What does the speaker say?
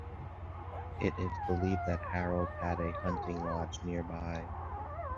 It is believed that Harold had a hunting lodge nearby.